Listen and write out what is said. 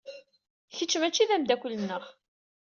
Kečč mačči d ameddakel-nneɣ.